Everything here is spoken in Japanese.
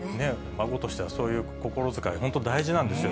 孫としてはそういう心遣い、本当、大事なんですよ。